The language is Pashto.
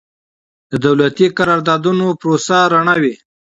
د دولتي قراردادونو پروسه رڼه وي.